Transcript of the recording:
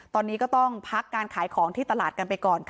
ตอนนี้ก็ต้องพักการขายของที่ตลาดกันไปก่อนค่ะ